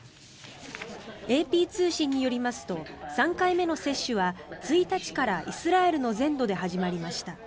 ＡＰ通信によりますと３回目の接種は１日からイスラエルの全土で始まりました。